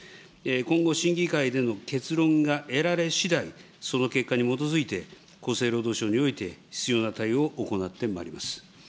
今後審議会での結論が得られしだい、その結果に基づいて厚生労働省において、必要な対応を行ってまいります。